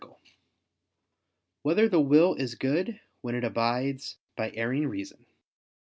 6] Whether the Will Is Good When It Abides by Erring Reason?